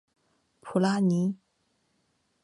普拉尼。